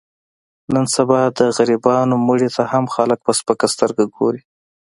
نن سبا د غریبانو مړي ته هم خلک په سپکه سترګه ګوري.